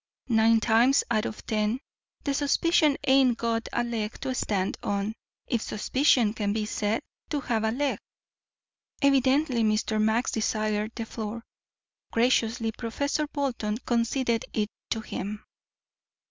Nine times out of ten the suspicion ain't got a leg to stand on if suspicion can be said to have a leg." Evidently Mr. Max desired the floor; graciously Professor Bolton conceded it to him.